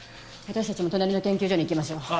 私たちも隣の研究所に行きましょ。